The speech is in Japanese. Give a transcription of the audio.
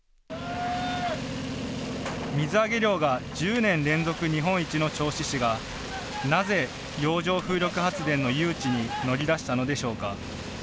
水揚げ量が１０年連続日本一の銚子市が、なぜ洋上風力発電の誘致に乗り出したのでしょうか。